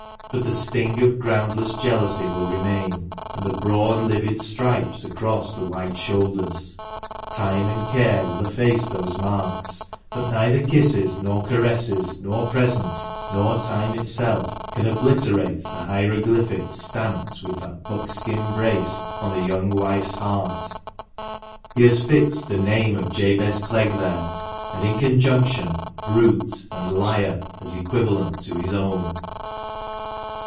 But the sting of groundless jealousy will remain, and the broad livid stripes across the white shoulders. Time and care will efface those marks, but neither kisses, nor caresses, nor presents, nor time itself can obliterate the hieroglyphics stamped with that buckskin brace on the young wife's heart. He has fixed the name of Jabez Clegg there, and in conjunction " brute " and " liar," as equivalent to his own.